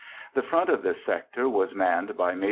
The front in this sector was manned by Maj.